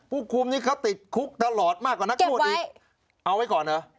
ผู้คุมนี่เขาติดคุกตลอดมากกว่านักนวดอีกเอาไว้ก่อนเหรอ